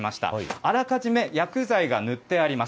あらかじめ薬剤が塗ってあります。